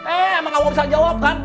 eh emang kamu bisa jawab kan